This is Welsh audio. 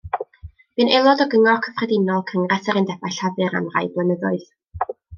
Bu'n aelod o Gyngor Cyffredinol Cyngres yr Undebau Llafur am rai blynyddoedd.